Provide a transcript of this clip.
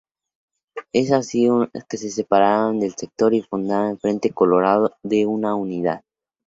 Es así que se separan del sector y fundan el Frente Colorado de Unidad.